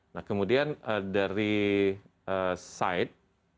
nah kemudian dari sight